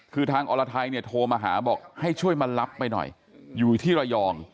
คือทางอรไทยเนี่ยโทรมาหาบอกให้ช่วยมารับไปหน่อยอยู่ที่ระยอง